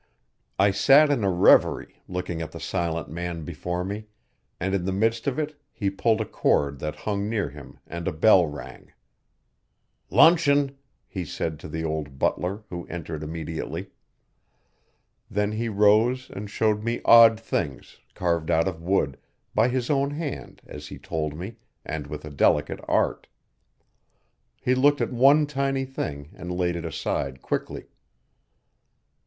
I sat in a reverie, looking at the silent man before me, and in the midst of it he pulled a cord that hung near him and a bell rang. 'Luncheon!' he said to the old butler who entered immediately. Then he rose and showed me odd things, carved out of wood, by his own hand as he told me, and with a delicate art. He looked at one tiny thing and laid it aside quickly.